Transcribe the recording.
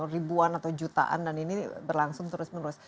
ribuan atau jutaan dan ini berlangsung terus menerus